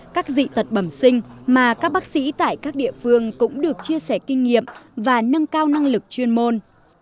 các dị tật bẩm sinh mà các bác sĩ tại các địa phương cũng được chia sẻ kinh nghiệm và nâng cao năng lực chuyên môn